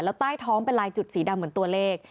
แล้วใต้ท้องเป็นลายจุดสีดำเหมือนตัวเลข